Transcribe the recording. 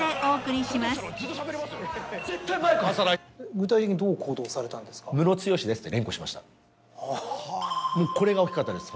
具体的にどう行動されたんですか？